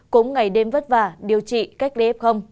cũng ngày đêm vất vả điều trị cách đây f